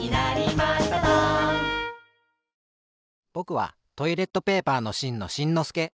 ぼくはトイレットペーパーのしんのしんのすけ。